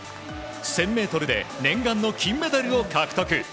１０００ｍで念願の金メダルを獲得。